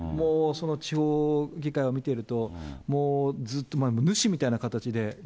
地方議会を見てると、もうずっと、主みたいな形で。